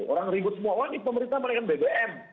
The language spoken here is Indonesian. orang ribut semua wah ini pemerintah menaikkan bbm